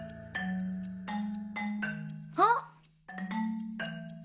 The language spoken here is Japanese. あっ！